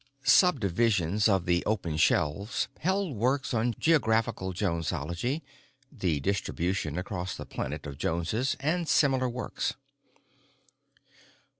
Subdivisions of the open shelves held works on Geographical Jonesology (the distribution across the planet of Joneses) and similar works.